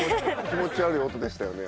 気持ち悪い音でしたよね。